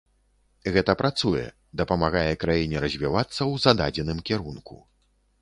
Гэта працуе, дапамагае краіне развівацца ў зададзеным кірунку.